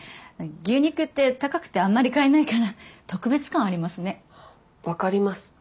牛肉って高くてあんまり買えないから特別感ありますね。